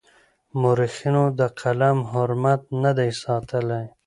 مورخينو د قلم حرمت نه دی ساتلی.